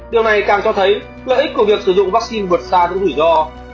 điều này càng cho thấy lợi ích của việc sử dụng vắc xin vượt xa những nguy do